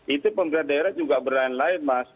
itu pemerintah daerah juga berlain lain mas